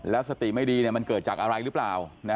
แล้วสติไม่ดีมันเกิดจากอะไรหรือเปล่า